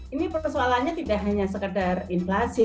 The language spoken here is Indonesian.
ini persoalannya tidak hanya sekedar inflasi